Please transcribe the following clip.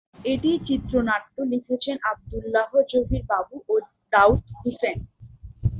এটির চিত্রনাট্য লিখেছেন আব্দুল্লাহ জহির বাবু ও দাউদ হুসেন।